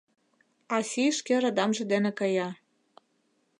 А сий шке радамже дене кая.